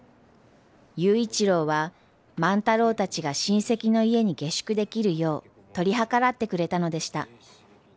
佑一郎は万太郎たちが親戚の家に下宿できるよう取り計らってくれたのでした。